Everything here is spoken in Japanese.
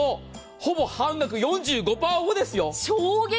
ほぼ半額４５％オフですよ。